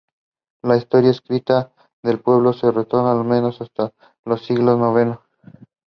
His studies were interrupted by the war.